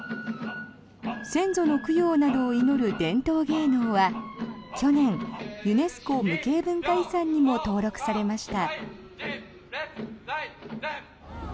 先祖の供養などを祈る伝統芸能は去年、ユネスコ無形文化遺産にも登録されました。